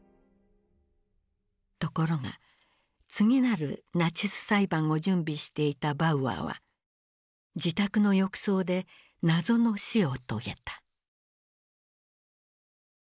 ところが次なるナチス裁判を準備していたバウアーは自宅の浴槽で謎の死を遂げた。